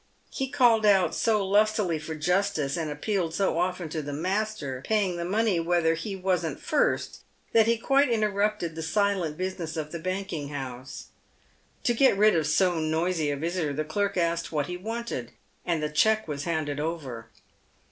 He called out so lustily for justice, and appealed so often to the "master" paying the money whether " he wasn't first," that he quite interrupted the silent business of the banking house. To get rid of so noisy a visitor, the clerk asked what he wanted, and the cheque was handed over.